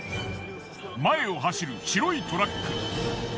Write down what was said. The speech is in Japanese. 前を走る白いトラック。